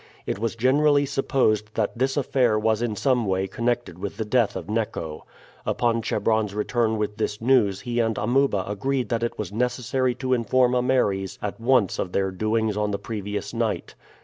It was generally supposed that this affair was in some way connected with the death of Neco. Upon Chebron's return with this news he and Amuba agreed that it was necessary to inform Ameres at once of their doings on the previous night.